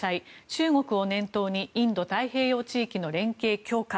中国を念頭にインド太平洋地域の連携強化。